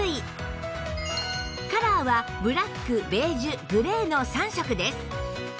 カラーはブラックベージュグレーの３色です